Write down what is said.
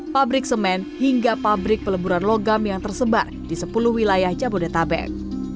pabrik semen hingga pabrik peleburan logam yang tersebar di sepuluh wilayah jabodetabek